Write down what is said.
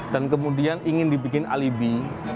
dan kemudian ingin dibikin alibi